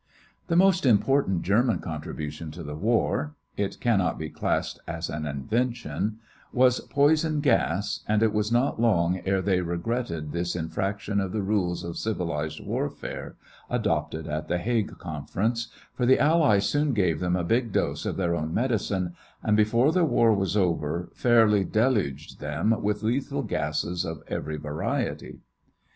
The most important German contribution to the war it cannot be classed as an invention was poison gas, and it was not long ere they regretted this infraction of the rules of civilized warfare adopted at the Hague Conference; for the Allies soon gave them a big dose of their own medicine and before the war was over, fairly deluged them with lethal gases of every variety.